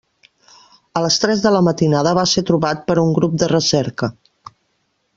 A les tres de la matinada va ser trobat per un grup de recerca.